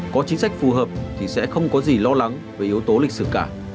có chính sách phù hợp thì sẽ không có gì lo lắng về yếu tố lịch sử cả